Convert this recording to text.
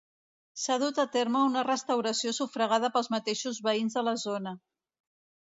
S'ha dut a terme una restauració sufragada pels mateixos veïns de la zona.